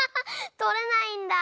とれないんだ！